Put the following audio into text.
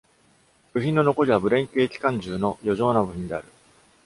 部品の残りは、ブレン軽機関銃の余剰な部品である。